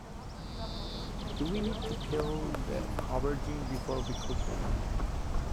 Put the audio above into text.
Do we need to peel the aubergine before we cook it?